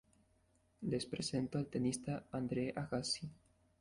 Les presentó el tenista Andre Agassi.